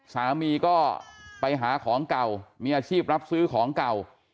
สามีก็ไปหาของเก่ามีอาชีพรับซื้อของเก่า